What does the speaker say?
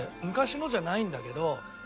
昔のじゃないんだけど。